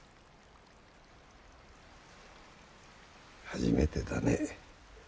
初めてだね。